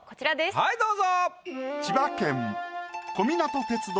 はいどうぞ。